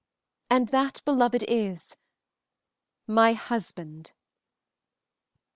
And that beloved is my husband."